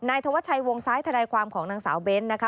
นายธวชัยวงซ้ายทนายความของนางสาวเบนท์